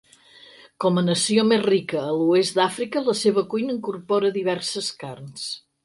Com a nació més rica a l'oest d'Àfrica, la seva cuina incorpora diverses carns.